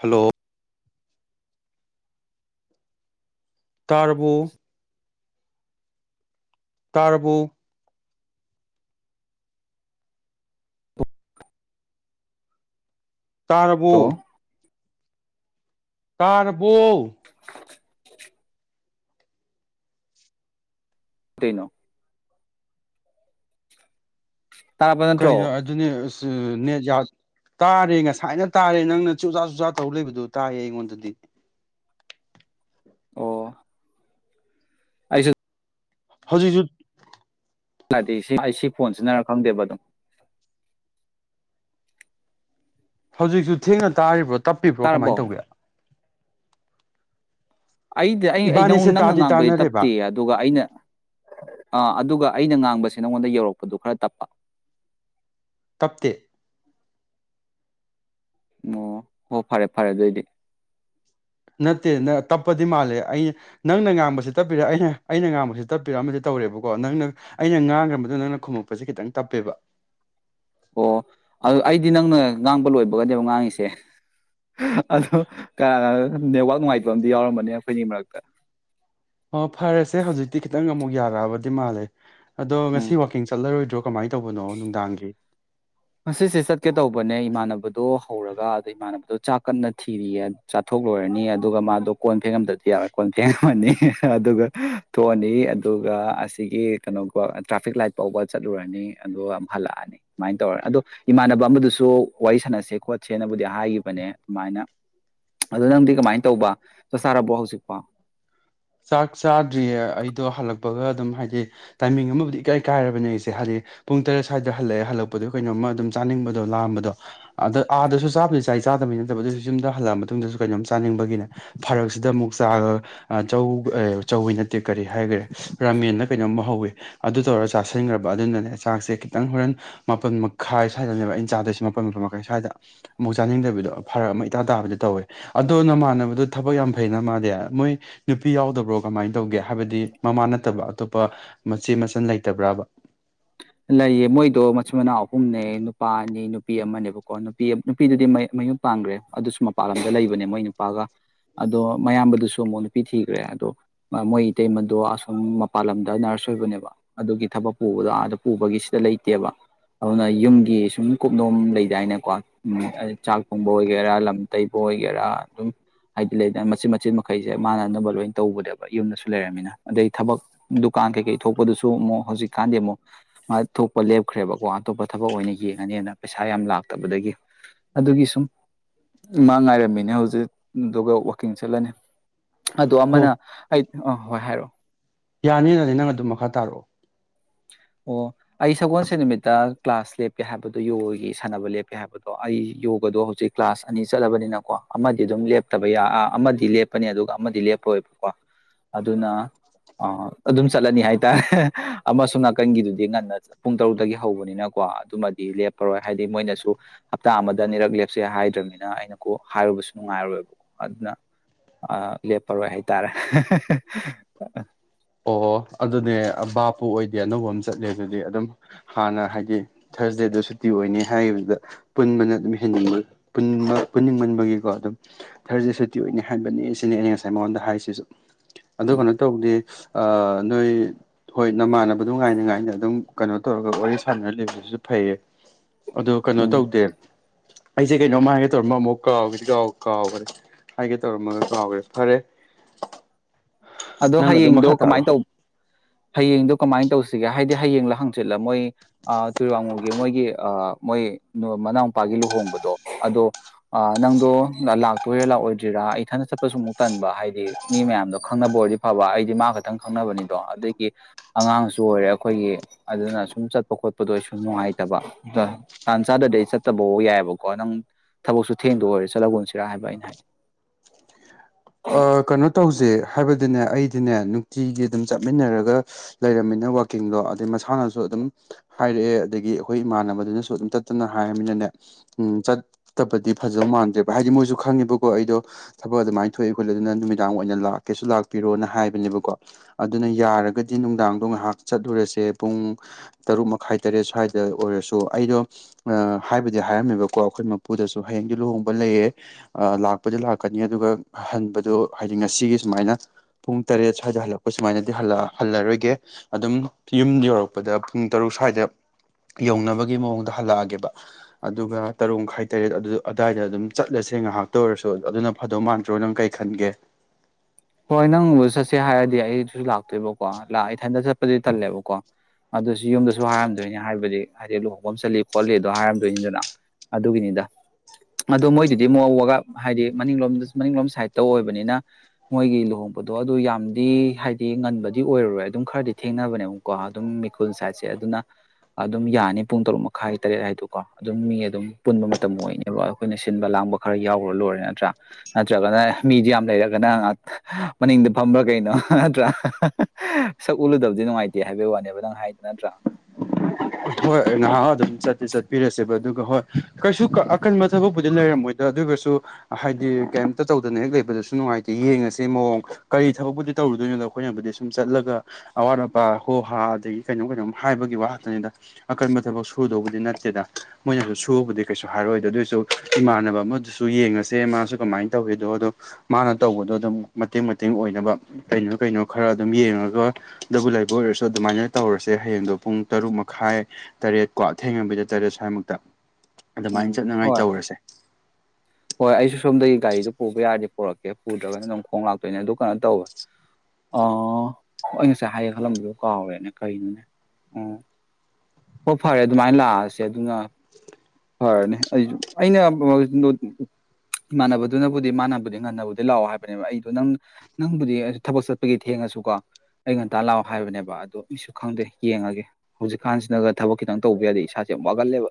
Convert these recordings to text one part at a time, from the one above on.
hello ꯇꯥꯕꯨ ꯇꯔꯕꯨ ꯇꯥꯕꯨ ꯍꯜꯂꯣ ꯇꯥꯅ ꯕ [inaudible] ꯇꯩꯅꯣ ꯎ ꯀꯩꯅꯅ ꯑ ꯑꯗꯨꯅꯤ ꯇꯥꯔꯦ ꯉꯁꯥꯏꯅ ꯇꯥꯔꯦ ꯅꯪꯅ ꯆꯨꯆꯥꯥ ꯆꯨꯆꯥꯥ ꯇꯧ ꯂꯩꯕꯗꯨ ꯇꯥꯏꯌꯦ ꯑꯩꯉꯣꯟꯗꯗꯤ ꯑꯣ ꯑꯩꯁꯨ ꯍꯧꯖꯤꯛꯁꯨ ꯗꯤ ꯁꯤ ꯑꯩ ꯁꯤ ꯐꯣꯟꯁꯤꯟꯅꯔ ꯈꯪꯗꯦꯕ ꯑꯗꯨꯝ ꯍꯧꯖꯤꯛꯁꯨ ꯊꯦꯡꯅ ꯇꯥꯔꯤꯕ꯭ꯔ ꯇꯞꯄꯤꯕ꯭ꯔꯣ ꯇꯥꯔꯕꯣ ꯀꯃꯥꯏꯅ ꯇꯧꯕꯤ ꯑꯩꯗꯤ ꯑꯩ ꯅ ꯏꯕꯥꯅꯤꯁꯦ ꯅꯪꯅ ꯇꯥꯗꯤ ꯉꯥꯡꯕꯗꯤ ꯇꯥꯅꯔꯦꯕ ꯇꯞꯇꯦ ꯑꯗꯨꯒ ꯑꯩꯅ ꯑꯥ ꯑꯗꯨꯒ ꯑꯩꯅ ꯉꯥꯡꯁꯦ ꯅꯪꯉꯣꯟꯗ ꯌꯧꯔꯛꯄꯗꯨ ꯈꯔ ꯇꯞꯄ ꯇꯞꯄꯤꯦ ꯑꯣ ꯍꯣ ꯐꯔꯦ ꯐꯔꯦ ꯑꯗꯨꯑꯣꯏꯗꯤ ꯅꯠꯇꯦ ꯅ ꯇꯞꯄꯗꯤ ꯃꯥꯜꯂꯦ ꯑ ꯅꯪꯅ ꯉꯥꯡꯕꯁꯤ ꯇꯞꯄꯤꯔ ꯑꯩꯅ ꯑꯩꯅ ꯉꯥꯡꯕꯁꯤ ꯇꯞꯄꯤꯔ ꯑꯃꯗꯤ ꯇꯧꯔꯦꯕꯀꯣ ꯅꯪꯅ ꯑꯩꯅ ꯉꯥꯡꯈ꯭ꯔꯕꯗꯨ ꯅꯪꯅ ꯈꯨꯝꯃꯛꯄꯁꯦ ꯈꯤꯇꯪ ꯇꯞꯄꯦꯕ ꯑꯣ ꯑꯗꯨ ꯑꯩꯗꯤ ꯅꯪꯅ ꯉꯥꯡꯕ ꯂꯣꯏꯕꯒꯅꯦꯕ ꯉꯥꯡꯉꯤꯁꯦ ꯑꯣ ꯀ ꯅꯦꯠꯋꯥꯛ ꯅꯨꯡꯉꯥꯏꯇꯕ ꯑꯃꯗꯤ ꯌꯥꯎꯔꯝꯕꯅꯦ ꯑꯩꯈꯣꯏꯒꯤ ꯃꯔꯛꯇ ꯑꯣ ꯐꯔꯦꯁꯦ ꯍꯧꯖꯤꯛꯇꯤ ꯈꯤꯇꯪ ꯑꯃꯨꯛ ꯌꯥꯔꯛꯑꯕꯗꯤ ꯃꯥꯜꯂꯦ ꯑꯗꯣ ꯉꯁꯤ ꯋꯥꯛꯀꯤꯡ ꯆꯠꯂꯔꯣꯏꯗ꯭ꯔꯣ ꯀꯃꯥꯏꯅ ꯇꯧꯕꯅꯣ ꯅꯨꯡꯗꯥꯡꯒꯤ ꯃꯁꯤꯁꯦ ꯆꯠꯀꯦ ꯇꯧꯕꯅꯦ ꯏꯃꯥꯟꯅꯕꯗꯣ ꯍꯧꯔꯒ ꯑꯗꯨ ꯏꯃꯥꯟꯅꯕꯗꯣ ꯆꯥꯛ ꯀꯟꯅ ꯊꯤꯔꯤꯌꯦ ꯆꯥꯊꯣꯛꯂꯨꯔꯅꯤ ꯑꯗꯨꯒ ꯃꯥꯗꯣ ꯀꯣꯟ ꯐꯦꯡꯉꯝꯗꯗꯤ ꯌꯥꯔꯣꯏ ꯀꯣꯟ ꯐꯦꯡꯉꯝꯃꯅꯤ ꯑꯗꯨꯒ ꯊꯣꯛꯑꯅꯤ ꯑꯗꯨꯒ ꯑꯁꯤꯒꯤ ꯀꯩꯅꯣꯒꯣ ꯇ꯭ꯔꯥꯐꯤꯛ ꯂꯥꯏꯠ ꯐꯥꯎꯕ ꯆꯠꯂꯨꯔꯅꯤ ꯑꯗꯣ ꯍꯜꯂꯛꯑꯅꯤ ꯁꯨꯃꯥꯏꯅ ꯇꯧꯔꯦ ꯑꯗꯣ ꯏꯃꯥꯟꯅꯕ ꯑꯃꯗꯨꯁꯨ ꯋꯥꯔꯤ ꯁꯥꯟꯅꯁꯦ ꯈꯣꯠꯁꯦꯅꯕꯨꯗꯤ ꯍꯥꯏꯈꯤꯕꯅꯦ ꯑꯗꯨꯃꯥꯏꯅ ꯑꯗꯨ ꯅꯪꯗꯤ ꯀꯃꯥꯏꯅ ꯇꯧꯕ ꯆꯥꯁꯥꯔꯕꯣ ꯍꯧꯖꯤꯛꯄꯣ ꯆꯥꯛ ꯆꯥꯗ꯭ꯔꯤꯌꯦ ꯑꯩꯗꯣ ꯍꯜꯂꯛꯄꯒ ꯑꯗꯨꯝ ꯍꯥꯏꯗꯤ ꯇꯥꯏꯃꯤꯡ ꯑꯃꯕꯨꯗꯤ ꯏꯀꯥꯏ ꯀꯥꯏꯔꯕꯅꯦ ꯑꯩꯁꯦ ꯍꯥꯏꯗꯤ ꯄꯨꯡ ꯇꯔꯦꯠ ꯁ꯭ꯋꯥꯏꯗ ꯍꯜꯂꯛꯑꯦ ꯍꯜꯂꯛꯄꯗꯣ ꯀꯩꯅꯣꯝꯃ ꯑꯗꯨꯝ ꯆꯥꯅꯤꯡꯕꯗꯣ ꯂꯥꯑꯝꯕꯗꯣ ꯑꯗ ꯑꯥꯗꯁꯨ ꯆꯥꯕꯗꯤ ꯏ ꯆꯥꯏ ꯆꯥꯗꯕꯩ ꯅꯠꯇꯕ ꯑꯗꯨꯏꯁꯨ ꯌꯨꯝꯗ ꯍꯜꯂꯛꯑ ꯃꯇꯨꯡꯗꯁꯨ ꯀꯩꯅꯣꯝ ꯆꯥꯅꯤꯡꯕꯒꯤꯅꯦ ꯐꯔꯛꯁꯤꯗ ꯑꯃꯨꯛ ꯆꯥꯔꯒ ꯆꯧ ꯆꯧ ꯋꯏ ꯅꯠꯇꯦ ꯀꯔꯤ ꯍꯥꯏꯒꯔ꯭ꯦ ꯔꯥꯃꯦꯟꯅ ꯀꯩꯅꯣꯝꯃ ꯍꯧꯋꯤ ꯑꯗꯨ ꯇꯧꯔꯒ ꯆꯥꯁꯤꯟꯈ꯭ꯔꯕ ꯑꯗꯨꯅꯅꯦ ꯆꯥꯛꯁꯦ ꯈꯤꯇꯪ ꯍꯣꯔꯦꯟ ꯃꯥꯄꯜ ꯃꯈꯥꯏ ꯁ꯭ꯋꯥꯏꯗꯅꯦꯕ ꯑꯩꯅ ꯆꯥꯗꯣꯏꯁꯦ ꯃꯥꯄꯜ ꯃꯥꯄꯜ ꯃꯈꯥꯏ ꯁ꯭ꯋꯥꯏꯗ ꯑꯃꯨꯛ ꯆꯥꯅꯤꯡꯗꯕꯤꯗꯣ ꯐꯔꯛ ꯑꯃ ꯏꯇꯥ ꯇꯥꯕꯗꯤ ꯇꯧꯋꯦ ꯑꯗꯣ ꯅꯃꯥꯟꯅꯕꯗꯣ ꯊꯕꯛ ꯌꯥꯝ ꯐꯩꯅ ꯃꯥꯗꯤ ꯃꯣꯏꯗꯤ ꯅꯨꯄꯤ ꯌꯥꯎꯗꯕ꯭ꯔꯣ ꯀꯃꯥꯏꯅ ꯇꯧꯒꯦ ꯍꯥꯏꯕꯗꯤ ꯃꯃꯥ ꯅꯠꯇꯕ ꯑꯇꯣꯞꯄ ꯆꯦ ꯃꯆꯟ ꯂꯩꯇꯕ꯭ꯔꯥꯕ ꯂꯩꯑ ꯃꯣꯏꯗꯣ ꯃꯆꯤꯟ ꯃꯅꯥꯎ ꯑꯍꯨꯝꯅꯦ ꯅꯨꯄꯥ ꯑꯅꯤ ꯅꯨꯄꯤ ꯑꯃꯅꯦꯕꯀꯣ ꯅꯨꯄꯤ ꯅꯨꯄꯤꯗꯨꯗꯤ ꯃꯌꯨꯝ ꯄꯥꯡꯈ꯭ꯔꯦ ꯑꯗꯨꯁꯨ ꯃꯄꯥꯜ ꯂꯝꯗ ꯂꯩꯕꯅꯦ ꯃꯣꯏ ꯅꯨꯄꯥꯒ ꯑꯗꯣ ꯃꯌꯥꯝꯕꯗꯨꯁꯨ ꯑꯃꯨꯛ ꯅꯨꯄꯤ ꯊꯤꯈ꯭ꯔꯦ ꯑꯗꯣ ꯃꯣꯏꯇꯩꯃꯗꯣ ꯑꯁꯨꯝ ꯃꯄꯥꯜ ꯂꯝꯗ ꯅꯔꯁ ꯑꯣꯏꯕꯅꯦꯕ ꯑꯗꯨꯒꯤ ꯊꯕꯛ ꯄꯨꯕꯗꯣ ꯑꯥ ꯗ ꯄꯨꯕꯒꯤ ꯁꯤꯗ ꯂꯩꯇꯦꯕ ꯑꯗꯨꯅ ꯌꯨꯝꯒꯤ ꯁꯨꯝ ꯀꯨꯞꯅꯣꯝ ꯂꯩꯗꯥꯏꯅꯦꯀꯣ ꯎ ꯆꯥꯛ ꯊꯣꯡꯕ ꯑꯣꯏꯒꯦꯔꯥ ꯂꯝ ꯇꯩꯕ ꯑꯣꯏꯒꯦꯔꯥ ꯑꯗꯨꯝ ꯍꯥꯏꯗꯤ ꯂꯩ ꯃꯆꯤꯟ ꯃꯆꯤꯟ ꯃꯈꯩꯁꯦ ꯃꯥꯟꯅꯅꯕ ꯂꯣꯏꯅ ꯇꯧꯕꯅꯦꯕ ꯌꯨꯝꯗꯁꯨ ꯂꯩꯔꯝꯃꯤꯅ ꯑꯗꯩ ꯊꯕꯛ ꯗꯨꯀꯥꯟ ꯀꯩꯀꯩ ꯊꯣꯛꯄꯗꯨꯁꯨ ꯑꯃꯨꯛ ꯍꯧꯖꯤꯛꯀꯥꯟꯗꯤ ꯑꯃꯨꯛ ꯃꯥ ꯊꯣꯛꯄ ꯂꯦꯞꯈ꯭ꯔꯦꯕꯀꯣ ꯑꯇꯣꯞꯄ ꯊꯕꯛ ꯑꯣꯏꯅ ꯌꯦꯡꯉꯅꯤꯅ ꯄꯩꯁꯥ ꯌꯥꯝ ꯂꯥꯛꯇꯕꯗꯒꯤ ꯑꯗꯨꯒꯤ ꯁꯨꯝ ꯃꯥ ꯉꯥꯏꯔꯝꯃꯤꯅꯦ ꯍꯧꯖꯤꯛ ꯑꯗꯨꯒ ꯋꯀꯤꯡ ꯆꯠꯂꯅꯤ ꯑꯗꯣ ꯑꯃꯅ ꯑꯩ ꯑ ꯍꯣꯏ ꯍꯥꯏꯔꯛꯑꯣ ꯌꯥꯅꯤ ꯌꯥꯅꯤ ꯅꯪ ꯑꯗꯨꯝ ꯃꯈꯥ ꯇꯥꯔꯛꯑꯣ ꯑꯣ ꯑꯩ ꯁꯒꯣꯜꯁꯦꯟ ꯅꯨꯃꯤꯠꯇ ꯀ꯭ꯂꯥꯁ ꯂꯦꯞꯀꯦ ꯍꯥꯏꯕꯗꯣ ꯌꯣꯒꯒꯤ ꯁꯥꯟꯅꯕ ꯂꯦꯞꯀꯦ ꯍꯥꯏꯕꯗꯣ ꯑꯩ ꯌꯣꯒꯗꯣ ꯍꯧꯖꯤꯛ ꯀ꯭ꯂꯥꯁ ꯑꯅꯤ ꯆꯠꯂꯕꯅꯤꯅꯀꯣ ꯑꯃꯗꯤ ꯑꯗꯨꯝ ꯂꯦꯞꯇꯕ ꯌꯥ ꯑꯃꯗꯤ ꯂꯦꯞꯄꯅꯤ ꯑꯗꯨꯒ ꯑꯃꯗꯤ ꯂꯦꯞꯄꯣꯏꯕꯀꯣ ꯑꯗꯨꯅ ꯑꯗꯨꯝ ꯆꯠꯂꯅꯤ ꯍꯥꯏ ꯇꯔꯦ ꯑꯃꯁꯨꯝ ꯅꯥꯀꯟꯒꯤꯗꯨꯗꯤ ꯉꯟꯅ ꯄꯨꯡ ꯇꯔꯨꯛꯇꯒꯤ ꯍꯧꯕꯅꯤꯅꯀꯣ ꯑꯗꯨꯃꯗꯤ ꯂꯦꯞꯄꯔꯣꯏ ꯍꯥꯏꯗꯤ ꯃꯣꯏꯅꯁꯨ ꯍꯞꯇꯥ ꯑꯃꯗ ꯅꯤꯔꯛ ꯂꯦꯞꯁꯦ ꯍꯥꯏꯗ꯭ꯔꯕꯅꯤꯅ ꯑꯩꯅꯀꯣ ꯍꯥꯏꯔꯨꯕꯁꯨ ꯅꯨꯡꯉꯥꯏꯔꯣꯏꯕꯀꯣ ꯑꯗꯨꯅ ꯂꯦꯞꯄꯔꯣꯏ ꯍꯥꯏꯇꯥꯔꯦ ꯑꯣ ꯑꯗꯨꯅꯦ ꯚꯕꯥꯞꯄꯨ ꯑꯣꯏꯗꯦ ꯑꯅꯧꯕ ꯑꯃ ꯆꯠꯂꯦ ꯑꯗꯨꯗꯤ ꯑꯗꯨꯝ ꯍꯥꯟꯅ ꯍꯥꯏꯗꯤ ꯊꯥꯔꯁꯗꯦꯗ ꯁꯨꯇꯤ ꯑꯣꯏꯅꯤ ꯍꯥꯏꯈꯤꯕꯗꯨꯗ ꯄꯨꯟꯕꯅ ꯑꯗꯨꯝ ꯍꯦꯟꯅꯤꯡꯕ ꯄꯨꯟꯅꯤꯡꯃꯟꯕꯒꯤꯀꯣ ꯑꯗꯨꯝ ꯊꯥꯔꯁꯗꯦ ꯁꯨꯇꯤ ꯑꯣꯏꯅꯤ ꯍꯥꯏꯕꯅꯤ ꯁꯤꯅꯤ ꯑꯩꯅ ꯉꯁꯥꯏ ꯃꯉꯣꯟꯗ ꯍꯥꯏꯁꯤꯁꯨ ꯑꯗꯨ ꯎꯝ ꯀꯩꯅꯣ ꯇꯧꯗꯦ ꯑꯥ ꯅꯣꯏ ꯍꯣꯏ ꯅꯃꯥꯟꯅꯕꯗꯨ ꯉꯥꯏꯅ ꯉꯥꯏꯅ ꯑꯗꯨꯝ ꯀꯩꯅꯣ ꯇꯧꯔꯒ ꯋꯥꯔꯤ ꯁꯥꯟꯅꯔ ꯂꯩꯕꯗꯨꯁꯨ ꯐꯩꯌꯦ ꯑꯗꯨ ꯀꯩꯅꯣ ꯎꯝ ꯇꯧꯗꯦ ꯑꯩꯁꯦ ꯀꯩꯅꯣꯝꯃ ꯍꯥꯏꯒꯦ ꯇꯧꯔꯃ ꯑꯃꯨꯛ ꯀꯥꯎꯒꯦ ꯀꯥꯎ ꯀꯥꯎꯈ꯭ꯔꯦ ꯍꯥꯏꯒꯦ ꯇꯧꯔꯃ ꯀꯥꯎꯈ꯭ꯔꯦ ꯐꯔꯦ ꯑꯗꯣ ꯅꯪ ꯑꯗꯨꯝ ꯍꯌꯦꯡꯗꯣ ꯃꯈꯥ ꯇꯥꯔꯣ ꯀꯃꯥꯏꯅ ꯇꯧꯕ ꯍꯌꯦꯡꯗꯣ ꯀꯃꯥꯏꯅ ꯇꯧꯁꯤꯒꯦ ꯍꯥꯏꯕꯗꯤ ꯍꯌꯦꯡꯂ ꯍꯪꯆꯤꯠꯂ ꯃꯣꯏ ꯑꯥ ꯇꯨꯔꯤꯋꯥꯡꯃꯨꯒꯤ ꯃꯣꯏꯒꯤ ꯑꯥ ꯃꯣꯏ ꯅꯨ ꯃꯅꯥꯎꯄꯥꯒꯤ ꯂꯨꯍꯣꯡꯕꯗꯣ ꯑꯗꯣ ꯅꯪꯗꯣ ꯂꯥꯛꯇꯣꯏꯔꯥ ꯂꯥꯛꯑꯣꯏꯗ꯭ꯔꯥ ꯏꯊꯟꯇ ꯆꯠꯄꯁꯨ ꯑꯃꯨꯛ ꯇꯟꯕ ꯍꯥꯏꯗꯤ ꯃꯤ ꯃꯌꯥꯝꯗꯣ ꯈꯪꯅꯕ ꯑꯣꯏꯔꯗꯤ ꯐꯕ ꯑꯩꯗꯤ ꯃꯥ ꯈꯛꯇꯪ ꯈꯪꯅꯕꯅꯤꯗꯣ ꯑꯗꯨꯗꯒꯤ ꯑꯉꯥꯡꯁꯨ ꯑꯣꯏꯔꯦ ꯑꯩꯈꯣꯏꯒꯤ ꯑꯗꯨꯅ ꯁꯨꯝ ꯆꯠꯄ ꯈꯣꯠꯄꯗꯣ ꯑꯩꯁꯨ ꯅꯨꯡꯉꯥꯏꯇꯕ ꯑ ꯇꯥꯟ ꯆꯥꯗ꯭ꯔꯗꯤ ꯑꯩ ꯆꯠꯇꯕꯐꯥꯎ ꯌꯥꯏꯑꯕꯀꯣ ꯅꯪ ꯊꯕꯛꯁꯨ ꯊꯦꯡꯗꯨ ꯑꯣꯏꯔꯦ ꯆꯠꯂꯒꯨꯝꯁꯤꯔꯥ ꯍꯥꯏꯕ ꯑꯩꯅ ꯍꯥꯏꯗꯤ ꯀꯩꯅꯣ ꯇꯧꯁꯦ ꯍꯥꯏꯕꯗꯤꯅꯦ ꯑꯩꯗꯤꯅꯦ ꯅꯨꯡꯇꯤꯒꯤ ꯑꯗꯨꯝ ꯆꯠꯃꯤꯟꯅꯔꯒ ꯂꯩꯔꯝꯃꯤꯅ ꯋꯥꯛꯀꯤꯡꯗꯣ ꯑꯗꯩ ꯃꯁꯥꯅꯁꯨ ꯑꯗꯨꯝ ꯍꯥꯏꯔꯛꯑꯦ ꯑꯗꯒꯤ ꯑꯩꯈꯣꯏ ꯏꯃꯥꯟꯅꯕꯗꯨꯅꯁꯨ ꯑꯗꯨꯝ ꯇꯠꯇꯅ ꯍꯥꯏꯔꯝꯃꯤꯅꯅꯦ ꯆꯠꯇꯕꯗꯤ ꯐꯖꯕ ꯃꯥꯟꯗ꯭ꯔꯦꯕ ꯍꯥꯏꯗꯤ ꯃꯣꯏꯁꯨ ꯈꯪꯉꯤꯕꯀꯣ ꯑꯩꯗꯣ ꯊꯕꯛ ꯑꯗꯨꯃꯥꯏ ꯊꯣꯛꯏꯈꯠꯂꯦ ꯑꯗꯨꯅ ꯅꯨꯃꯤꯗꯥꯡ ꯑꯣꯏꯅ ꯂꯥꯛꯀꯦꯁꯨ ꯂꯥꯛꯄꯤꯔꯣꯅ ꯍꯥꯏꯕꯅꯦꯕꯀꯣ ꯑꯗꯨꯅ ꯌꯥꯔꯒꯗꯤ ꯅꯨꯡꯗꯥꯡꯗꯣ ꯉꯥꯏꯍꯥꯛ ꯆꯠꯂꯨꯔꯁꯦ ꯄꯨꯡ ꯇꯔꯨꯛ ꯃꯈꯥꯏ ꯇꯔꯦꯠ ꯁ꯭ꯋꯥꯏꯗ ꯑꯣꯏꯔꯁꯨ ꯑꯩꯗꯣ ꯍꯥꯏꯕꯗꯤ ꯍꯥꯏꯔꯝꯃꯦꯕꯀꯣ ꯑꯩꯈꯣꯏ ꯃꯄꯨꯗꯁꯨ ꯍꯌꯦꯡꯗꯤ ꯂꯨꯍꯣꯡꯕ ꯂꯩꯌꯦ ꯂꯥꯛꯄꯗꯤ ꯂꯥꯛꯀꯅꯤ ꯑꯗꯨꯒ ꯍꯟꯕꯗꯣ ꯍꯥꯏꯗꯤ ꯉꯁꯤꯒꯤ ꯁꯨꯃꯥꯏꯅ ꯄꯨꯡ ꯇꯔꯦꯠ ꯁ꯭ꯋꯥꯏꯗ ꯍꯜꯂꯛꯄ ꯁꯨꯃꯥꯏꯅꯗꯤ ꯍꯜꯂꯔꯣꯏꯒꯦ ꯑꯗꯨꯝ ꯌꯨꯝ ꯌꯧꯔꯛꯄꯗ ꯄꯨꯡ ꯇꯔꯨꯛ ꯁ꯭ꯋꯥꯏꯗ ꯌꯧꯅꯕꯒꯤ ꯃꯑꯣꯡꯗ ꯍꯜꯂꯛꯑꯒꯦꯕ ꯑꯗꯨꯒ ꯇꯔꯨꯛ ꯃꯈꯥꯏ ꯇꯔꯦꯠ ꯑꯗꯨ ꯑꯗꯨꯋꯥꯏꯗ ꯑꯗꯨꯝ ꯆꯠꯂꯁꯦ ꯉꯥꯏꯍꯥꯛꯇ ꯑꯣꯏꯔꯁꯨ ꯑꯗꯨꯅ ꯐꯗꯣꯃꯥꯟ ꯇ꯭ꯔꯣ ꯅꯪ ꯀꯩ ꯈꯟꯒꯦ ꯍꯣꯏ ꯅꯪꯕꯨ ꯆꯠꯁꯦ ꯍꯥꯏꯔꯗꯤ ꯑꯩꯁꯨ ꯂꯥꯛꯇꯣꯏꯕꯀꯣ ꯂꯥꯛ ꯑꯩꯏꯊꯟꯗ ꯆꯠꯄꯗꯤ ꯇꯜꯂꯦꯕꯀꯣ ꯑꯗꯨꯁꯨ ꯌꯨꯝꯗꯁꯨ ꯍꯥꯏꯔꯝꯗꯣꯏꯅꯤ ꯍꯥꯏꯕꯗꯤ ꯍꯥꯏꯗꯤ ꯂꯨꯍꯣꯡꯕ ꯑꯃ ꯆꯠꯂꯤ ꯈꯣꯠꯂꯤ ꯑꯗꯣ ꯍꯥꯏꯔꯝꯗꯣꯏꯅꯤꯗꯅ ꯑꯗꯨꯒꯤꯅꯤꯗ ꯑꯗꯣ ꯃꯣꯏꯗꯨꯗꯤ ꯃꯣꯋ ꯒꯥ ꯍꯥꯏꯗꯤ ꯃꯅꯤꯡꯂꯣꯝ ꯃꯅꯤꯡꯂꯣꯝ ꯁꯥꯏꯗꯠꯇ ꯑꯣꯏꯕꯅꯤꯅ ꯃꯣꯏꯒꯤ ꯂꯨꯍꯣꯡꯕꯗꯣ ꯑꯗꯨ ꯌꯥꯝꯗꯤ ꯍꯥꯏꯗꯤ ꯉꯟꯕꯗꯤ ꯑꯣꯏꯔꯔꯣꯏ ꯑꯗꯨꯝ ꯈꯔꯗꯤ ꯊꯦꯡꯅꯕꯅꯦꯕꯨꯀꯣ ꯑꯗꯨꯝ ꯃꯤꯈꯨꯜ ꯁꯥꯏꯠꯁꯦ ꯑꯗꯨꯅ ꯑꯗꯨꯝ ꯌꯥꯅꯤ ꯄꯨꯡ ꯇꯔꯨꯛ ꯃꯈꯥꯏ ꯇꯔꯦꯠ ꯍꯥꯏꯗꯀꯣ ꯑꯗꯨꯝ ꯃꯤ ꯑꯗꯨꯝ ꯄꯨꯟꯕ ꯃꯇꯝ ꯑꯣꯏꯅꯦꯕ ꯑꯩꯈꯣꯏꯅ ꯁꯤꯟꯕ ꯂꯥꯡꯕ ꯈꯔ ꯌꯥꯎꯈꯨꯔ ꯂꯣꯏꯔꯦ ꯅꯠꯇ꯭ꯔꯥ ꯅꯠꯇ꯭ꯔꯒꯅ ꯃꯤꯗꯤ ꯌꯥꯝ ꯂꯩꯔꯒꯅ ꯉꯥꯛ ꯃꯅꯤꯡꯗ ꯐꯝꯕ꯭ꯔꯥ ꯀꯩꯅꯣ ꯅꯠꯇ꯭ꯔꯥ ꯁꯛ ꯎꯂꯨꯗꯕꯗꯤ ꯅꯨꯡꯉꯥꯏꯇꯦ ꯍꯥꯏꯕꯒꯤ ꯋꯥꯅꯦꯕ ꯅꯪ ꯍꯥꯏꯗ ꯅꯠꯇ꯭ꯔꯥ ꯍꯣꯏ ꯉꯍꯥꯛ ꯑꯗꯨꯝ ꯆꯠꯇꯤ ꯆꯠꯄꯤꯔꯁꯦꯕ ꯑꯗꯨꯒ ꯍꯣꯏ ꯀꯩꯁꯨ ꯑꯀꯟꯕ ꯊꯕꯛꯄꯨꯗꯤ ꯂꯩꯔꯝꯃꯣꯏꯗ ꯑꯗꯨꯁꯨ ꯍꯥꯏꯗꯤ ꯀꯩꯝꯇ ꯇꯧꯗꯅ ꯍꯦꯛ ꯂꯩꯕꯗꯁꯨ ꯅꯨꯡꯉꯥꯏꯇꯦ ꯌꯦꯡꯉꯁꯤ ꯃꯑꯣꯡ ꯀꯔꯤ ꯊꯕꯛꯄꯨꯗꯤ ꯇꯧꯔꯨꯗꯣꯏꯅꯣꯗꯣ ꯑꯩꯈꯣꯏꯅꯕꯨꯗꯤ ꯁꯨꯝ ꯆꯠꯂꯒ ꯑꯋꯥꯠ ꯑꯄꯥ ꯍꯣ ꯍꯥ ꯑꯗꯒꯤ ꯀꯩꯅꯣꯝ ꯀꯩꯅꯣꯝ ꯍꯥꯏꯕꯒꯤ ꯋꯥ ꯗ ꯑꯀꯟꯕ ꯊꯕꯛ ꯁꯨꯗꯧꯕꯗꯤ ꯅꯠꯇꯦꯗ ꯃꯣꯏꯅꯁꯨ ꯁꯨꯕꯕꯨꯗꯤ ꯀꯩꯁꯨ ꯍꯥꯏꯔꯣꯏꯗ ꯑꯗꯨ ꯑꯣꯏꯁ ꯁꯨ ꯏꯃꯥꯟꯅꯕ ꯑꯃꯗꯨꯁꯨ ꯌꯦꯡꯉꯁꯦ ꯃꯥꯁꯨ ꯀꯃꯥꯏꯅ ꯇꯧꯏꯗꯣ ꯑꯗꯣ ꯃꯥꯅ ꯇꯧꯕꯗꯣ ꯑꯗꯨꯝ ꯃꯇꯦꯡ ꯃꯇꯦꯡ ꯑꯣꯏꯅꯕ ꯀꯩꯅꯣ ꯀꯩꯅꯣ ꯈꯔ ꯑꯗꯨꯝ ꯌꯦꯡꯉꯒ ꯑꯗꯨꯕꯨ ꯂꯩꯕ ꯑꯣꯏꯔꯁꯨ ꯑꯗꯨꯃꯥꯏꯅ ꯇꯧꯔꯁꯦ ꯍꯌꯦꯡꯗꯣ ꯄꯨꯡ ꯇꯔꯨꯛ ꯃꯈꯥꯏ ꯇꯔꯦꯠꯀꯣ ꯊꯦꯡꯡꯂꯕꯤꯩꯗ ꯇꯔꯦꯠ ꯁ꯭ꯋꯥꯏꯃꯛꯇ ꯑꯗꯨꯃꯥꯏꯅ ꯎꯝ ꯆꯠꯅꯉꯥꯏ ꯍꯣꯏ ꯇꯧꯔꯁꯦ ꯍꯣꯏ ꯑꯩꯁꯨ ꯁꯣꯝꯗꯒꯤ ꯒꯥꯔꯤꯗꯨ ꯄꯨꯕ ꯌꯥꯔꯗꯤ ꯄꯨꯔꯛꯀꯦ ꯄꯨꯗ꯭ꯔꯒꯅ ꯑꯗꯨꯝ ꯈꯣꯡ ꯂꯥꯛꯇꯣꯏꯅꯦ ꯑꯗꯨ ꯀꯩꯅꯣ ꯇꯧꯋꯦ ꯑ ꯑꯩ ꯉꯁꯥꯏ ꯍꯥꯏꯦ ꯈꯜꯂꯝꯕꯗꯣ ꯀꯥꯎꯔꯦꯅꯦ ꯀꯔꯤꯅꯣꯅꯦ ꯎ ꯍꯣꯏ ꯐꯔꯦ ꯑꯗꯨꯃꯥꯏꯅ ꯂꯥꯛꯑꯁꯦ ꯑꯗꯨꯅ ꯐꯔꯅꯤ ꯑꯩꯅ ꯏꯃꯥꯟꯅꯕꯗꯨꯅꯕꯨꯗꯤ ꯏꯃꯥꯟꯅꯕꯕꯨꯗꯤ ꯉꯟꯅꯕꯨꯗꯤ ꯂꯥꯛꯑꯣ ꯍꯥꯏꯕꯅꯦꯕ ꯑꯩꯗꯣ ꯅꯪ ꯅꯪꯕꯨꯗꯤ ꯊꯕꯛ ꯆꯠꯄꯒꯤ ꯊꯦꯡꯉꯁꯨꯀꯣ ꯑꯩ ꯉꯟꯇꯥ ꯂꯥꯛꯑꯣ ꯍꯥꯏꯕꯅꯦꯕ ꯑꯗꯣ ꯑꯩꯁꯨ ꯈꯪꯗꯦ ꯌꯦꯡꯉꯒꯦ ꯍꯧꯖꯤꯛꯀꯥꯟꯁꯤꯗ ꯅ ꯊꯕꯛ ꯈꯤꯇꯪ ꯇꯧꯕ ꯌꯥꯗꯦ ꯏꯁꯥꯁꯦ ꯌꯥꯝ ꯋꯥꯒꯠꯂꯦꯕ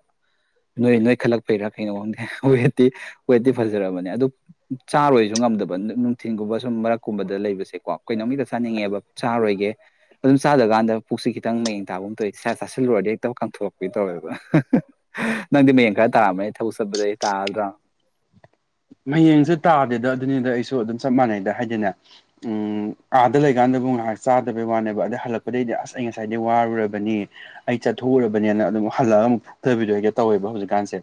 ꯅꯣꯏ ꯅꯣꯏ ꯈꯜꯂꯛꯄꯩꯔꯥ ꯀꯩꯅꯣ ꯈꯪꯗꯦ ꯋꯦꯠꯇꯤ ꯋꯦꯠꯇꯤ ꯐꯖꯔꯕꯅꯦ ꯑꯗꯨ ꯆꯥꯔꯣꯏꯁꯨ ꯉꯝꯗꯕ ꯅꯨꯡꯊꯤꯟꯜꯒꯨꯝꯕ ꯁꯨꯝ ꯃꯔꯛꯀꯨꯝꯕꯗ ꯂꯩꯕꯁꯦꯀꯣ ꯀꯩꯅꯣꯝꯃꯤꯛꯇ ꯆꯥꯅꯤꯡꯉꯦꯕ ꯆꯥꯔꯣꯏꯒꯦ ꯑꯗꯨꯝ ꯆꯥꯗꯀꯥꯟꯗ ꯄꯨꯛꯁꯦ ꯈꯤꯇꯪ ꯃꯌꯦꯡ ꯇꯥꯕ ꯑꯃ ꯊꯣꯛ ꯑꯣꯏ ꯆꯥꯁꯤꯜꯂ ꯔꯨꯔꯗ ꯍꯦꯛꯇꯕ ꯀꯪꯊꯣꯛꯄꯄꯤ ꯇꯧꯋꯦꯕ ꯅꯪꯗꯤ ꯃꯌꯦꯡ ꯈꯔ ꯇꯥꯔꯝꯃꯅꯤ ꯑꯩ ꯊꯕꯛ ꯆꯠꯄꯗ ꯑꯩ ꯇꯥꯔꯗ꯭ꯔꯥ ꯍꯌꯦꯡꯁꯦ ꯇꯥꯗꯦꯗ ꯑꯗꯨꯅꯤꯗ ꯑꯩꯁꯨ ꯑꯗꯨꯝ ꯆꯞ ꯃꯥꯟꯅꯩꯗ ꯍꯥꯏꯗꯤꯅꯦ ꯎꯝ ꯑꯥꯗ ꯂꯩꯀꯥꯟꯗꯕꯨ ꯉꯥꯏꯍꯥꯛ ꯆꯥꯗꯕꯩ ꯋꯥꯅꯦꯕ ꯑꯗꯩ ꯍꯜꯂꯛꯄꯗꯒꯤꯩꯗꯤ ꯑꯁ ꯑꯩ ꯉꯁꯥꯏꯗꯤ ꯋꯥꯔꯨꯔꯕꯅꯤ ꯑꯩ ꯆꯠꯊꯣꯛꯎꯔꯕꯅꯤꯅ ꯑꯗꯨꯝ ꯍꯜꯂꯛꯒ ꯑꯃꯨꯛ ꯐꯊꯕꯤꯗꯣ ꯑꯩꯒ ꯇꯧꯋꯦꯕ ꯍꯧꯖꯤꯛꯀꯥꯟꯁꯦ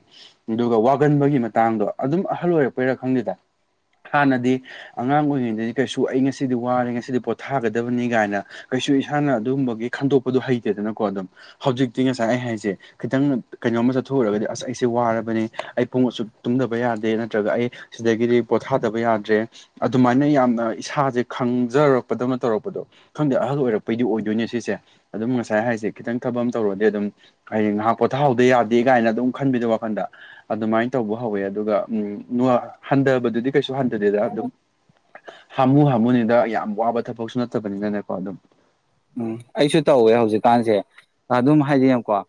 ꯑꯗꯨꯒ ꯋꯥꯒꯟꯕꯒꯤ ꯃꯇꯥꯡꯗꯣ ꯑꯗꯨꯝ ꯑꯍꯜ ꯑꯣꯏꯔꯛꯄ ꯄꯔ ꯈꯪꯗꯦꯗ ꯍꯥꯟꯅꯗꯤ ꯑꯉꯥꯡ ꯑꯣꯏꯔꯤꯉꯩꯗꯗꯤ ꯀꯩꯁꯨ ꯑꯩ ꯉꯁꯤꯗꯤ ꯋꯥꯔꯦ ꯉꯁꯤꯗꯤ ꯄꯣꯊꯥꯒꯗꯕꯅꯤ ꯀꯥꯏꯅ ꯀꯩꯁꯨ ꯏꯁꯥꯅ ꯑꯗꯨꯝꯕꯒꯤ ꯈꯟꯗꯣꯛꯄꯗꯣ ꯍꯩꯇꯦꯗꯅꯀꯣ ꯑꯗꯨꯝ ꯍꯧꯖꯤꯛꯇꯤ ꯉꯁꯥꯏ ꯑꯩ ꯍꯥꯏꯁꯦ ꯈꯤꯇꯪ ꯀꯩꯅꯣꯝꯃ ꯆꯠꯊꯣꯛꯎꯔꯒꯗꯤ ꯑꯁ ꯑꯩꯁꯦ ꯋꯥꯔꯕꯅꯤ ꯑꯩ ꯄꯨꯡꯃꯛꯠꯁꯨ ꯇꯨꯝꯗꯕ ꯌꯥꯗꯦ ꯅꯠꯇ꯭ꯔꯒ ꯑꯩ ꯁꯤꯗꯒꯤꯗꯤ ꯄꯣꯊꯥꯗꯕ ꯌꯥꯗ꯭ꯔꯦ ꯑꯗꯨꯃꯥꯏꯅ ꯌꯥꯝꯅ ꯏꯁꯥ ꯁꯦ ꯈꯪꯖꯔꯛꯄꯗꯧꯅ ꯇꯧꯔꯛꯄꯗꯣ ꯈꯪꯗꯦ ꯑꯍꯜ ꯑꯣꯏꯔꯛꯄꯩꯗꯤ ꯑꯣꯏꯗꯣꯏꯅꯦ ꯁꯤꯁꯦ ꯑꯗꯨꯝ ꯉꯁꯥꯏ ꯍꯥꯏꯁꯦ ꯈꯤꯇꯪ ꯊꯕ ꯑꯃ ꯇꯧꯔꯗꯤ ꯑꯗꯨꯝ ꯍꯌꯦꯡ ꯉꯥꯏꯍꯥꯛ ꯄꯣꯊꯥꯍꯧꯗ ꯌꯥꯗꯦ ꯀꯥꯏꯅ ꯑꯗꯨꯝ ꯈꯟꯕꯤꯗꯣ ꯋꯥꯈꯟꯗ ꯑꯗꯨꯃꯥꯏꯅ ꯇꯧꯕ ꯍꯧꯋꯦ ꯑꯗꯨꯒ ꯎꯝ ꯍꯟꯊꯕꯗꯨꯗꯤ ꯀꯩꯁꯨ ꯍꯟꯊꯗꯦꯗ ꯑꯗꯨꯝ ꯍꯥꯝꯃꯨ ꯍꯥꯝꯃꯨꯅꯤꯗ ꯌꯥꯝ ꯋꯥꯕ ꯊꯕꯛꯁꯨ ꯅꯠꯇꯕꯅꯤꯅꯅꯦꯀꯣ ꯑꯗꯨꯝ ꯎꯝ ꯑꯩꯁꯨ ꯇꯧꯋꯦ ꯍꯧꯖꯤꯛꯀꯥꯟꯁꯦ ꯑꯗꯨꯝ ꯍꯥꯏꯗꯤꯀꯣ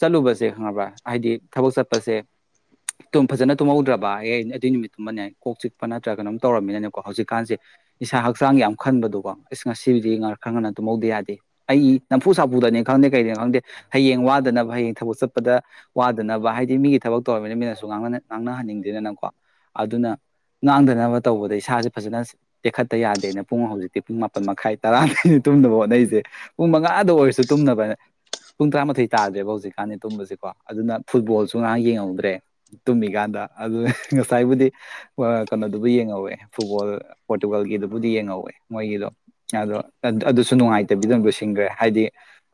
ꯆꯠꯂꯨꯕꯁꯦ ꯈꯪꯉꯕ꯭ꯔ ꯍꯥꯏꯗꯤ ꯊꯕꯛ ꯆꯠꯄꯁꯦꯨꯝ ꯐꯖꯅ ꯇꯨꯝꯍꯧꯗ꯭ꯔꯕ ꯍ ꯑꯗꯨꯏ ꯅꯨꯃꯤꯠꯇꯨꯝꯕꯅꯦ ꯀꯣꯛ ꯆꯤꯛꯄ ꯅꯠꯇ꯭ꯔꯒꯅꯝ ꯇꯧꯔꯝꯃꯤꯅꯅꯦꯀꯣ ꯍꯧꯖꯤꯛꯀꯥꯟꯁꯦ ꯏꯁꯥ ꯍꯛꯆꯥꯡ ꯌꯥꯝ ꯈꯟꯕꯗꯣꯀꯣ ꯑ ꯉꯁꯤꯕꯨꯗꯤ ꯉ ꯈꯔ ꯉꯅ ꯇꯨꯝꯍꯧꯗ ꯌꯥꯗꯦ ꯑꯩ ꯅꯝꯐꯨ ꯁꯥꯐꯨꯗꯅꯤ ꯈꯪꯗꯦ ꯀꯩꯗꯅ ꯍꯗꯤ ꯍꯌꯦꯡ ꯋꯥꯗꯅꯕ ꯍꯌꯦꯡ ꯊꯕꯛ ꯆꯠꯄ ꯄꯗ ꯋꯥꯗꯅꯕ ꯍꯥꯏꯗꯤ ꯃꯤꯒꯤ ꯊꯕꯛ ꯇꯧꯃꯤꯅ ꯃꯤꯅꯁꯨ ꯉꯥꯡꯅꯍꯟꯅꯤꯡꯗꯦꯗꯅꯀꯣ ꯑꯗꯨꯅ ꯉꯥꯡꯗꯅꯕ ꯇꯧꯕꯗ ꯏꯁꯥꯁꯦ ꯐꯖꯅ ꯇꯦꯛꯈꯠꯇ ꯌꯥꯗꯦꯅ ꯄꯨꯡ ꯍꯧꯖꯤꯛꯇꯤ ꯄꯨꯡ ꯃꯥꯄꯟ ꯃꯈꯥꯏ ꯇꯔꯥꯗ ꯇꯨꯝꯅꯕ ꯍꯣꯠꯅꯔꯤꯁꯦ ꯄꯨꯡ ꯃꯉꯥꯗ ꯑꯣꯏꯔꯁꯨ ꯇꯨꯝꯅꯕ ꯄꯨꯡ ꯇꯔꯥꯃꯥꯊꯣꯏ ꯇꯥꯗ꯭ꯔꯦꯕ ꯍꯧꯖꯤꯛꯀꯥꯟꯗꯤ ꯇꯨꯝꯕꯁꯤꯀꯣ ꯑꯗꯨꯅ ꯐꯨꯠꯕꯣꯜꯁꯨ ꯉꯥꯏꯍꯥꯛ ꯌꯦꯡꯍꯧꯗ꯭ꯔꯦ ꯇꯨꯝꯃꯤꯀꯥꯟꯗ ꯑꯗꯨ ꯉꯁꯥꯏꯕꯨꯗꯤ ꯀꯩꯅꯣꯗꯨꯕꯨ ꯌꯦꯡꯍꯧꯋꯦ ꯐꯨꯠꯕꯣꯜ ꯄꯣꯔꯇꯨꯒꯜꯒꯤꯗꯨꯕꯨꯗꯤ ꯌꯦꯡꯍꯧꯋꯦ ꯃꯣꯏꯒꯤꯗꯣ ꯑꯗꯣ ꯑꯗꯨꯁꯨ ꯅꯨꯡꯉꯥꯏꯇꯕꯤꯗ ꯁꯤꯟꯈ꯭ꯔꯦ ꯍꯥꯏꯗꯤ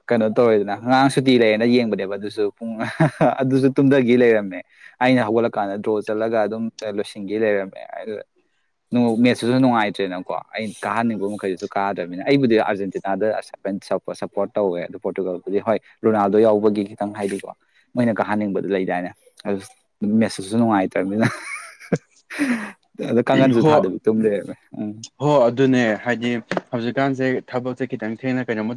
ꯀꯩꯅꯣ ꯇꯧꯔꯦꯗꯅ ꯉꯔꯥꯡ ꯁꯨꯇꯤ ꯂꯩꯔꯦꯅ ꯌꯦꯡꯕꯅꯦꯕ ꯑꯗꯨꯁꯨ ꯄꯨꯡ ꯑꯗꯨꯁꯨ ꯇꯨꯝꯊꯈꯤꯦ ꯂꯩꯔꯝꯃꯦ ꯑꯩꯅ ꯍꯧꯒꯠꯂꯛꯀꯥꯟꯗ ꯗ꯭ꯔꯣ ꯆꯠꯂꯒ ꯑꯗꯨꯝ ꯂꯣꯏꯁꯤꯟꯈꯤꯦ ꯂꯩꯔꯝꯃꯦ ꯃꯦꯠꯁꯇꯨꯁꯨ ꯅꯨꯡꯉꯥꯏꯇ꯭ꯔꯦꯅꯀꯣ ꯑꯩꯩꯅ ꯀꯥꯍꯟꯅꯤꯡꯕ ꯃꯈꯩꯗꯨꯁꯨ ꯀꯥꯗ꯭ꯔꯕꯅꯤꯅ ꯑꯩꯕꯨꯗꯤ ꯑꯥꯔꯖꯦꯟꯇꯤꯅꯥꯗ ꯁꯞꯄꯣꯔꯠ ꯇꯧꯋꯦ ꯄꯣꯔꯇꯨꯒꯜꯕꯨꯗꯤ ꯍꯣꯏ ꯔꯣꯅꯥꯜꯗꯣ ꯌꯥꯎꯕꯒꯤ ꯈꯤꯇꯪ ꯍꯥꯏꯗꯤꯀꯣ ꯃꯣꯏꯅ ꯀꯥꯍꯟꯅꯤꯡꯕꯗ ꯂꯩꯗꯥꯏꯅꯦ ꯑꯗꯨ ꯃꯦꯁꯨꯁꯨ ꯅꯨꯡꯉꯥꯏꯇ꯭ꯔꯕꯅꯤꯅ ꯑꯗ ꯀꯥꯡꯒꯟꯁꯨ ꯍꯣ ꯊꯥꯗꯕꯤ ꯇꯨꯝ ꯂꯩꯔꯝꯃꯦ ꯎꯝ ꯍꯣ ꯑꯗꯨꯅꯦ ꯍꯥꯏꯗꯤ ꯍꯧꯖꯤꯛꯀꯥꯟꯁꯦ ꯊꯕꯛꯁꯦ ꯈꯤꯇꯪ ꯊꯦꯡꯅ ꯀꯩꯅꯣꯃꯧ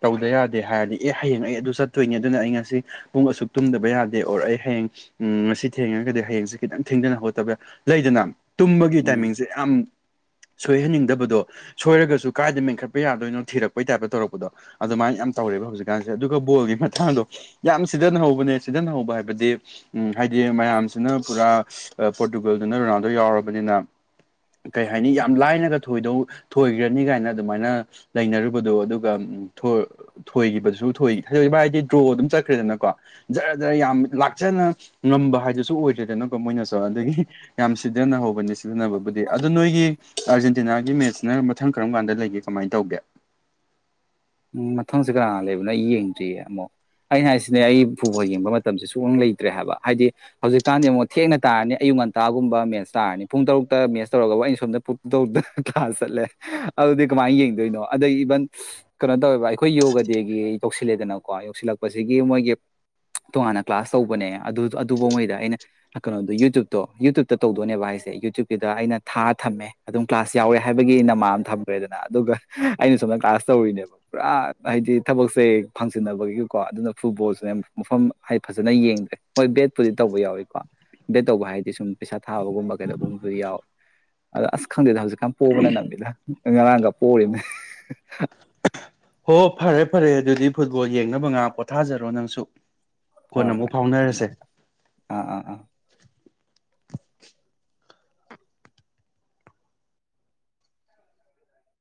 ꯇꯧꯗ ꯌꯥꯗꯦ ꯍꯥꯏꯔꯗꯤ ꯑꯦ ꯍꯌꯦꯡ ꯑꯩ ꯑꯗꯨ ꯆꯠꯇꯣꯏꯅꯤ ꯑꯗꯨꯅ ꯑꯩ ꯉꯁꯤ ꯄꯨꯡ ꯑꯁꯨꯛ ꯇꯨꯝꯗꯕ ꯌꯥꯗꯦ ꯑꯣꯔ ꯑꯩ ꯍꯌꯦꯡ ꯎ ꯉꯁꯤ ꯊꯦꯡꯉꯔꯒꯗꯤ ꯍꯌꯦꯡꯁ ꯈꯤꯇꯪ ꯊꯦꯡꯗꯅ ꯍꯣꯠꯇꯕ ꯂꯩꯗꯅ ꯇꯨꯝꯕꯒꯤ ꯎꯝ ꯇꯥꯏꯃꯤꯡꯁꯦ ꯌꯥꯝ ꯁꯣꯏꯍꯟꯅꯤꯡꯗꯕꯗꯣ ꯁꯣꯏꯔꯒꯁꯨ ꯀꯥꯏꯗ ꯃꯦꯟꯈꯠꯄ ꯌꯥꯗꯣꯏꯅꯣ ꯊꯤꯔꯛꯄꯩ ꯇꯥꯏꯞꯇ ꯇꯧꯔꯛꯄꯗꯣ ꯑꯗꯨꯃꯥꯏꯅ ꯌꯥꯝ ꯇꯧꯔꯦꯕ ꯍꯧꯖꯤꯛꯀꯥꯟꯁꯦ ꯑꯗꯨꯒ ꯕꯣꯜꯒꯤ ꯃꯇꯥꯡꯗꯣ ꯌꯥꯝ ꯁꯤꯖꯤꯟꯅꯍꯧꯕꯅꯦ ꯁꯤꯖꯤꯟꯅꯍꯧꯕ ꯍꯥꯏꯕꯗꯤ ꯍꯥꯏꯗꯤ ꯃꯌꯥꯝꯁꯤꯅ ꯄꯨꯔꯥ ꯄꯣꯔꯇꯨꯒꯜꯗꯨꯅ ꯔꯨꯅꯥꯥꯎꯟꯗꯣ ꯌꯥꯎꯔ ꯅꯤꯅ ꯀꯩ ꯍꯥꯏꯅꯤ ꯌꯥꯝ ꯂꯥꯏꯅꯒꯣꯏꯗ ꯊꯣꯏꯈ꯭ꯔꯅꯤ ꯀꯥꯏꯅ ꯑꯗꯨꯃꯥꯏꯅ ꯂꯩꯅꯔꯨꯕꯗꯣ ꯑꯗꯨꯒ ꯊꯣꯏꯈꯤꯕꯗꯨꯁꯨ ꯊꯣꯏ ꯍꯥꯏꯗꯣꯛ ꯍꯥꯏꯗꯤ ꯇ꯭ꯔꯣ ꯑꯗꯨꯝ ꯆꯠꯈ꯭ꯔꯦꯗꯅꯀꯣ ꯖꯔ ꯖꯔ ꯌꯥꯝ ꯂꯥꯛꯆꯅ ꯉꯝꯕ ꯍꯥꯏꯗꯨꯁꯨ ꯑꯣꯏꯗ꯭ꯔꯦꯗꯅꯀꯣ ꯃꯣꯏꯅꯁꯨ ꯑꯗꯒꯤ ꯌꯥꯝ ꯁꯤꯗꯅ ꯍꯧ ꯁꯤꯖꯤꯕꯨꯗꯤ ꯑꯗꯨ ꯅꯣꯏꯒꯤ ꯑꯥꯔꯖꯦꯟꯇꯤꯅꯥꯒꯤ ꯃꯦꯠꯁꯁꯤꯅ ꯃꯊꯪ ꯀꯔꯝ ꯀꯥꯟꯗ ꯂꯩꯒꯦ ꯀꯃꯥꯏꯅ ꯇꯧꯒꯦ ꯎꯝ ꯃꯊꯪꯁꯦ ꯀꯅꯥ ꯂꯩꯕꯅꯣ ꯌꯦꯡꯗ꯭ꯔꯤꯌꯦ ꯑꯃꯨꯛ ꯑꯩꯅ ꯍꯥꯏꯁꯤꯅꯦ ꯑꯩ ꯄꯨꯨ ꯐ ꯌꯦꯡꯕ ꯃꯇꯝꯁꯤ ꯁꯨ ꯂꯩꯇ꯭ꯔꯦ ꯍꯥꯏꯕ ꯍꯥꯏꯗꯤ ꯍꯧꯖꯤꯛꯀꯥꯟꯗꯤ ꯑꯃꯨꯛ ꯊꯦꯡꯅ ꯇꯥꯔꯅꯤ ꯑꯌꯨꯛ ꯉꯟꯇꯥꯒꯨꯝꯕ ꯃꯦꯠꯁ ꯇꯥꯔꯅꯤ ꯄꯨꯡ ꯇꯔꯨꯛꯇ ꯃꯦꯠꯁ ꯇꯧꯔꯒꯕꯨ ꯑꯩꯅ ꯁꯣꯝꯗ ꯇꯔꯨꯛꯇ ꯀ꯭ꯂꯥꯁ ꯆꯠꯂꯦ ꯑꯗꯨꯗꯤ ꯀꯃꯥꯏꯅ ꯌꯦꯡꯗꯣꯏꯅꯣ ꯑꯗꯩ ꯏꯚꯟ ꯀꯩꯅꯣ ꯇꯧꯋꯦꯕ ꯑꯩꯈꯣꯏ ꯌꯣꯒ ꯗꯦꯒꯤ ꯌꯧꯁꯤꯜꯂꯦꯗꯅꯀꯣ ꯌꯧꯁꯤꯜꯂꯛꯄ ꯄꯁꯤꯒꯤ ꯃꯣꯏꯒꯤ ꯇꯣꯉꯥꯟꯅ ꯀ꯭ꯂꯥꯁ ꯇꯧꯕꯅꯦ ꯑꯗꯨꯕꯨꯉꯣꯏꯗ ꯑꯩꯅ ꯀꯩꯅꯣꯗꯣ ꯌꯨꯇ꯭ꯨꯞꯇꯣ ꯌꯨꯇ꯭ꯨꯞꯇ ꯇꯧꯗꯣꯏꯅꯦꯕ ꯍꯥꯏꯁꯦ ꯌꯨꯇ꯭ꯌꯨꯞꯀꯤꯗ ꯑꯩꯅ ꯊꯥ ꯊꯝꯃꯦ ꯑꯗꯨꯝ ꯀ꯭ꯂꯥꯁ ꯌꯥꯎꯔꯦ ꯍꯥꯏꯕꯒꯤ ꯅꯃꯥ ꯑꯃ ꯊꯝꯈ꯭ꯔꯦꯗꯅ ꯑꯗꯨꯒ ꯑꯩꯅ ꯁꯣꯝꯗ ꯀ꯭ꯂꯥꯁ ꯇꯧꯔꯤꯅꯦꯕ ꯄꯨꯔꯥ ꯍꯥꯏꯗꯤ ꯊꯕꯛꯁꯦ ꯐꯪꯁꯤꯟꯅꯕꯒꯤ ꯀꯣ ꯑꯗꯨꯅ ꯐꯨꯠꯕꯣꯜꯁꯨꯅꯦ ꯃꯐꯝ ꯍꯥꯏꯗꯤ ꯐꯖꯅ ꯌꯦꯡꯗ꯭ꯔꯦ ꯍꯣꯏ ꯕꯦꯠꯄꯨꯗꯤ ꯇꯧꯕ ꯌꯥꯎꯏꯀꯣ ꯕꯦꯠ ꯇꯧꯕ ꯍꯥꯏꯗꯤ ꯁꯨꯝ ꯄꯩꯁꯥ ꯊꯥꯕꯒꯨꯝꯕ ꯀꯩꯅꯣꯒꯨꯝꯕꯗꯤ ꯌꯥꯎꯏꯤ ꯑꯗꯣ ꯑꯁ ꯈꯪꯗꯦꯗ ꯍꯧꯖꯤꯛꯀꯥꯟ ꯄꯣꯕꯅ ꯅꯪꯕꯤꯗ ꯉꯔꯥꯡꯒ ꯄꯣꯔꯤꯅꯤ ꯍꯣ ꯐꯔꯦ ꯐꯔꯦ ꯑꯗꯨꯗꯤ ꯐꯨꯠꯕꯣꯜ ꯌꯦꯡꯅꯕ ꯉꯥꯛ ꯄꯣꯊꯥꯖꯔꯣ ꯅꯪꯁꯨ ꯀꯣꯟꯅ ꯍꯣꯏ ꯑꯃꯨꯛ ꯍꯣꯏ ꯐꯥꯎꯅꯔꯁꯦ [unintelligible] ꯑꯥ ꯑꯥ ꯑꯥ